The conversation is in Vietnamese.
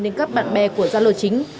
đến các bạn bè của gia lô chính